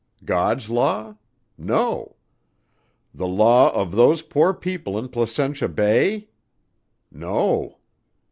God's law? No. The law of those poor people in Placentia Bay? No.